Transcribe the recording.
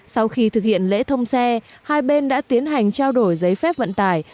sau khi thực hiện lễ thông xe hai bên đã tiến hành trao đổi giấy phép vận tải